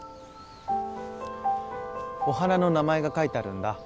お花の名前が書いてあるんだ。